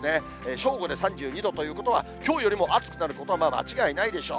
正午で３２度ということは、きょうよりも暑くなることは間違いないでしょう。